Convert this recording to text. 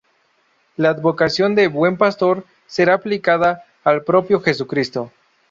La advocación de "Buen Pastor" será aplicada al propio Jesucristo.